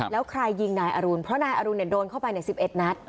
แล้วใครยิงนายอรุณเพราะนายอรุณโดนเข้าไป๑๑นัด